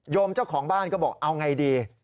เจ้าของบ้านก็บอกเอาไงดี